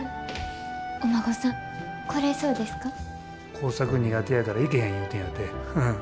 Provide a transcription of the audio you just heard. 工作苦手やから行けへん言うてんやて。